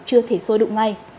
chưa thể xôi đụng ngay